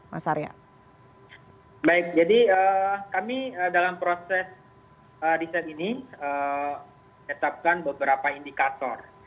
baik jadi kami dalam proses riset ini tetapkan beberapa indikator